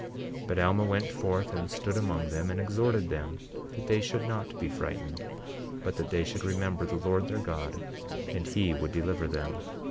23:27 But Alma went forth and stood among them, and exhorted them that they should not be frightened, but that they should remember the Lord their God and he would deliver them.